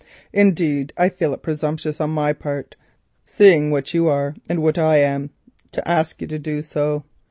Indeed, I feel it presumptuous on my part, seeing what you are and what I am not, to ask you to do so.